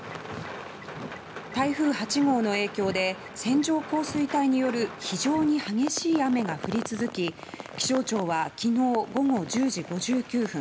台風８号の影響で線状降水帯による非常に激しい雨が降り続き気象庁は昨日午後１０時５９分